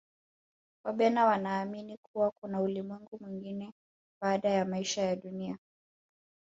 wabena wanaamini kuwa kuna ulimwengu mwingine baada ya maisha ya duniani